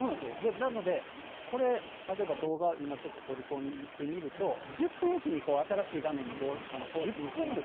なので、これ、例えば動画、今ちょっと取り込んでみると、１０分置きに新しい画面に更新します。